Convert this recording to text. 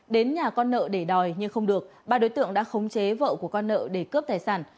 đến nhà con nợ để đòi nhưng không được ba đối tượng đã khống chế vợ của con nợ để cướp tài sản